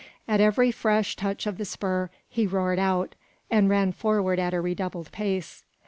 At every fresh touch of the spur he roared out, and ran forward at a redoubled pace.